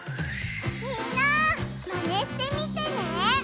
みんなマネしてみてね！